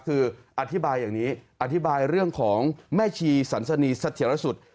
คืออธิบายอย่างนี้อธิบายเรื่องของแม่ชีสันสนีเสถียรสุทธิ์